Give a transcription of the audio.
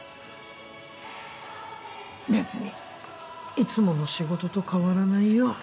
別にいつもの仕事と変わらないよ